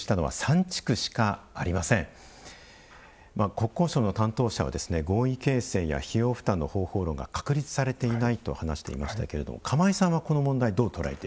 国交省の担当者は合意形成や費用負担の方法が確立されていないと話していましたけども釜井さんはこの問題どう捉えていらっしゃいますか？